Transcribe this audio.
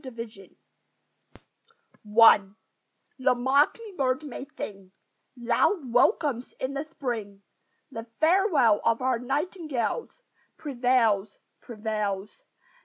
THE MINORCAN I The mocking bird may sing Loud welcomes in the Spring; The farewell of our nightingales Prevails, prevails!